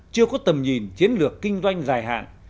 chưa có tầm nhìn chiến lược kinh doanh dài hạn